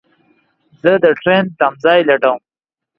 زه دټرين تم ځای لټوم